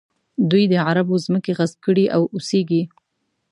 دوی د عربو ځمکې غصب کړي او اوسېږي.